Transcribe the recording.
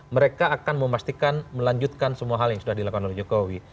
mereka akan memastikan melanjutkan semua hal yang sudah dilakukan oleh jokowi